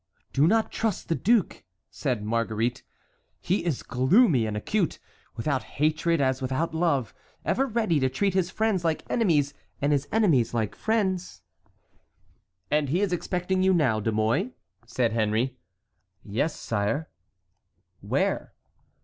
"Do not trust the duke," said Marguerite, "he is gloomy and acute, without hatred as without love; ever ready to treat his friends like enemies and his enemies like friends." "And he is expecting you now, De Mouy?" said Henry. "Yes, sire." "Where?"